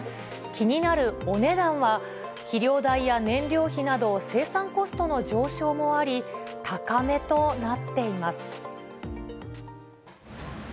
気になるお値段は、肥料代や燃料費など生産コストの上昇もあり、高めとなっています。